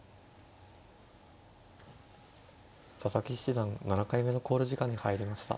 佐々木七段７回目の考慮時間に入りました。